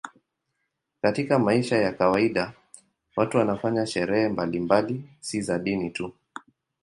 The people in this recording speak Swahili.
Katika maisha ya kawaida watu wanafanya sherehe mbalimbali, si za dini tu.